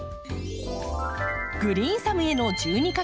「グリーンサムへの１２か月」。